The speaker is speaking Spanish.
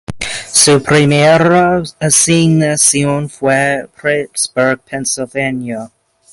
Su primera asignación fue en Pittsburgh, Pennsylvania.